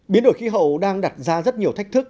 biến đổi khí hậu đang đặt ra rất nhiều thách thức